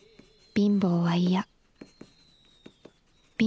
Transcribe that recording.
貧乏は嫌」。